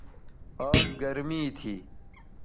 آز گرمی تھی